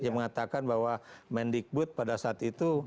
yang mengatakan bahwa mendikbud pada saat itu